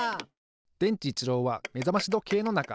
でんちいちろうはめざましどけいのなか。